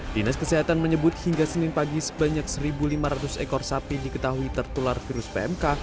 dinas kesehatan menyebut hingga senin pagi sebanyak satu lima ratus ekor sapi diketahui tertular virus pmk